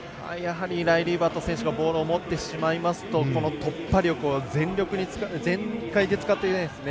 ライリー・バット選手がボールを持ってしまいますとこの突破力を全開で使っていきますね。